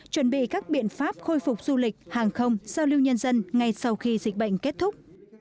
chuẩn bị các biện pháp khôi phục du lịch hàng không giao lưu nhân dân ngay sau khi dịch bệnh kết thúc